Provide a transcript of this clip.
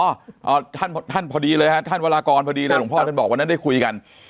อ่าท่านท่านพอดีเลยฮะท่านวรากรพอดีเลยหลวงพ่อท่านบอกวันนั้นได้คุยกัน